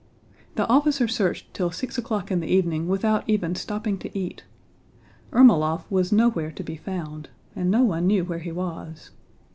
The officer searched till six o'clock in the evening without even stopping to eat. Ermólov was nowhere to be found and no one knew where he was.